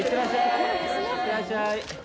いってらっしゃい。